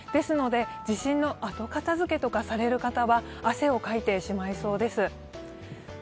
地震の後片付けとかをされる方は汗をかいてしまいそうです。